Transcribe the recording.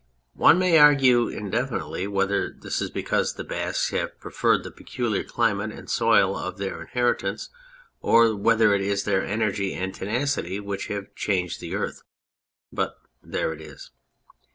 One may argue indefinitely whether this is because the Basques have preferred the peculiar climate and soil of their inhabitance or whether it is their energy and tenacity which have changed the earth, but there it is.